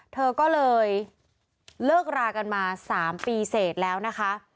เธอก็เลยเลิกรากันมา๓ปีเสร็จแล้วนะคะ